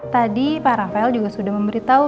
tadi pak rafael juga sudah memberitahu